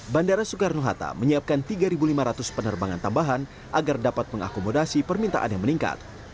bandara soekarno hatta menyiapkan tiga lima ratus penerbangan tambahan agar dapat mengakomodasi permintaan yang meningkat